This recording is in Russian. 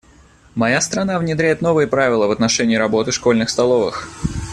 Моя страна внедряет новые правила в отношении работы школьных столовых.